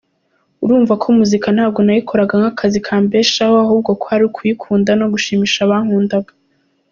Urumva ko muzika ntabwo nayikoraga nk’akazi kambeshaho ahubwo kwari ukuyikunda no gushimisha abankundaga.